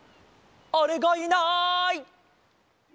あれがいない！